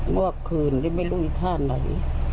เมื่อคืนนี้ไม่รู้อีกท่าไหน